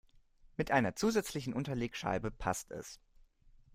Mit einer zusätzlichen Unterlegscheibe passt es.